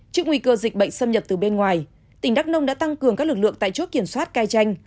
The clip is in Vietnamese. trước nguy cơ dịch bệnh xâm nhập từ bên ngoài tỉnh đắk nông đã tăng cường các lực lượng tại chốt kiểm soát cai tranh